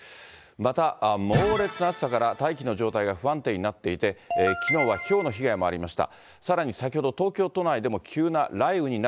また猛烈な暑さから大気の状態が不安定になっていて、きのうはひょうの被害もありました。